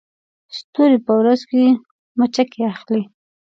ستوري په ورځ کې مچکې اخلي